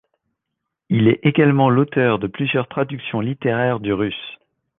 Il est également l'auteur de plusieurs traductions littéraires du russe.